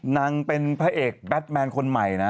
นางเป็นพระเอกแบทแมนคนใหม่นะ